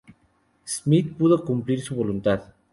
Smith, pudo cumplir su voluntad.